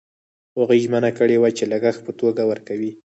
هغوی ژمنه کړې وه چې لګښت په توګه ورکوي.